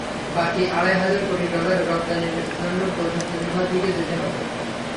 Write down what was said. বাকি আড়াই হাজার কোটি ডলারের রপ্তানির জন্য প্রযুক্তিনির্ভরতার দিকে যেতে হবে।